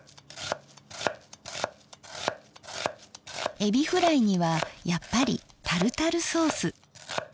えびフライにはやっぱりタルタルソース。